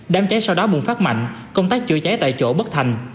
đám cháy sau đó bùng phát mạnh công tác chữa cháy tại chỗ bất thành